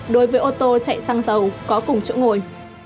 đối với ô tô chạy xăng dầu có cùng chỗ ngồi